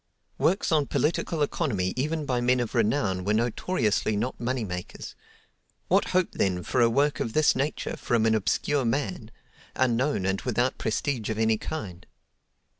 Works on political economy even by men of renown were notoriously not money makers. What hope then for a work of this nature from an obscure man—unknown, and without prestige of any kind?